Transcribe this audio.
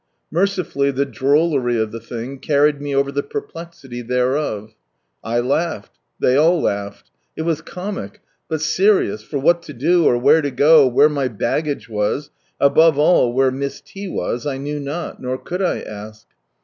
Mercifully the drollery of the thing, carried me over the perplexity thereof. I laughed. They all laughed. It was comic — but serious, for what to do, or where to go, where my baggage was, above all where Miss T, was, I knew not, nor could I ask.